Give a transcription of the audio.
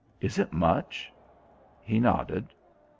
"Is it much?" He nodded.